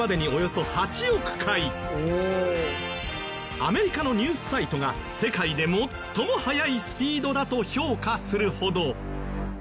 アメリカのニュースサイトが「世界で最も速いスピードだ」と評価するほど。